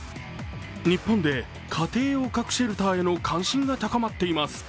日本で家庭用核シェルターへの関心が高まっています。